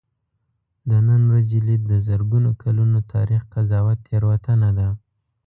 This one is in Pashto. د نن ورځې لید د زرګونو کلونو تاریخ قضاوت تېروتنه ده.